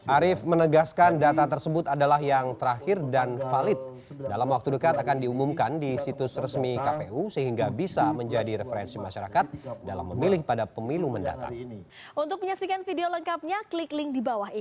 arief menegaskan data tersebut adalah yang terakhir dan valid dalam waktu dekat akan diumumkan di situs resmi kpu sehingga bisa menjadi referensi masyarakat dalam memilih pada pemilu mendatang